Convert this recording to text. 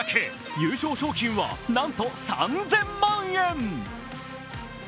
優勝賞金はなんと３０００万円。